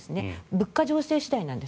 物価情勢次第なんです。